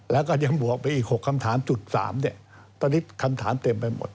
แล้วก็ยังบวกไปอีก๖คำถามจุด๓ตอนนี้คำถามเต็มไปหมด